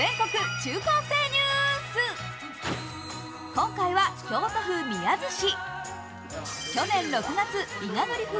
今回は京都府宮津市。